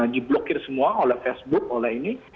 di blokir semua oleh facebook oleh ini